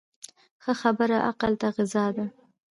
ښه خبره عقل ته غذا ده.